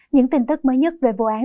những tin tức mới nhất về vụ án